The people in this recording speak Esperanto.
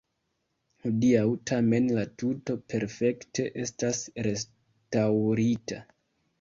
Hodiaŭ tamen la tuto perfekte estas restaŭrita.